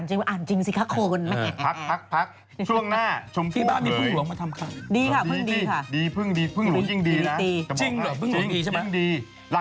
ช่วงหน้าทำไมชมภูทินถอนตัวจากระเริงไฟ